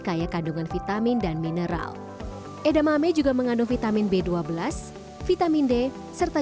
kaya kandungan vitamin dan mineral edamame juga mengandung vitamin b dua belas vitamin d serta